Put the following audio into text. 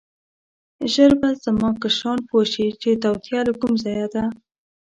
ژر به زما کشران پوه شي چې توطیه له کوم ځایه ده.